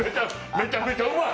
めちゃめちゃうまい！